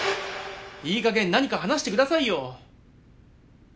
いい加減何か話してくださいよ。